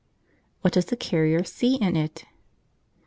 (What does the carrier see in it?)